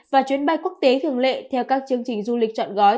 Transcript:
và chuyến bay quốc tế thường lệ theo các chương trình du lịch chọn gói